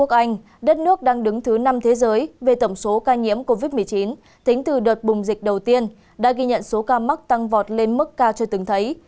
anh đất nước đang đứng thứ năm thế giới về tổng số ca nhiễm covid một mươi chín tính từ đợt bùng dịch đầu tiên đã ghi nhận số ca mắc tăng vọt lên mức cao chưa từng thấy